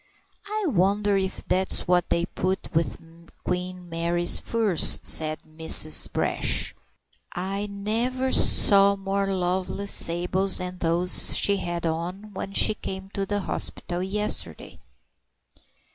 "I wonder if that's what they put with Queen Mary's furs," said Mrs. Brash. "I never saw more lovely sables than those she had on when she came to the hospital yesterday."